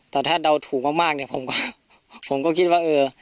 แต่ถ้าเดาถูกมากเนี่ยผมก็ผมก็คิดว่าเออ